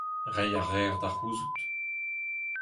reiñ a reer da c'houzout